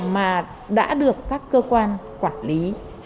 mà đã được các cơ quan quản lý